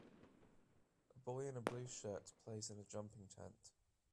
A boy in a blue shirt plays in a jumping tent